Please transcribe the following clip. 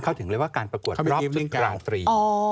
เข้าถึงเลยว่าการประกวดรอบชุดราตรี